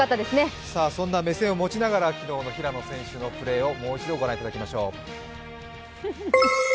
そんな目線を持ちながら、昨日の平野選手のプレーをもう一度ご覧いただきましょう。